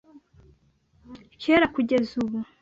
kera kugeza ubu.